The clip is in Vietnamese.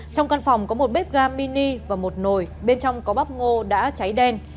trong căn phòng có một bếp ga mini và một nồi bên trong có bắp ngô đã cháy đen